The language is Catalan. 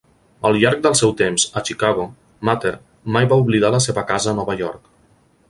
Al llarg del seu temps a Chicago, Mather mai va oblidar la seva casa a Nova York.